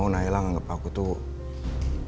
aku gak mau naila nganggep aku terlalu baik